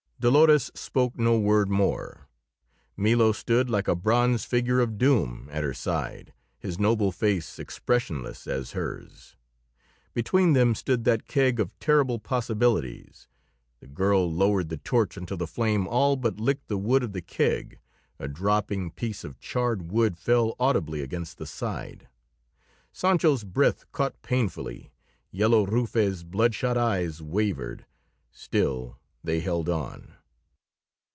Dolores spoke no word more. Milo stood like a bronze figure of Doom at her side, his noble face expressionless as hers. Between them stood that keg of terrible possibilities. The girl lowered the torch until the flame all but licked the wood of the keg; a dropping piece of charred wood fell audibly against the side. Sancho's breath caught painfully; Yellow Rufe's bloodshot eyes wavered. Still they held on.